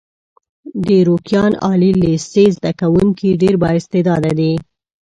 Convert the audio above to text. د روکيان عالي لیسې زده کوونکي ډېر با استعداده دي.